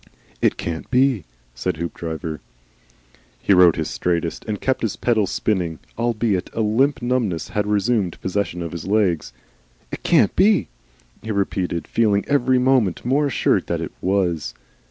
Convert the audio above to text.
"It can't be," said Hoopdriver. He rode his straightest, and kept his pedals spinning, albeit a limp numbness had resumed possession of his legs. "It CAN'T be," he repeated, feeling every moment more assured that it WAS.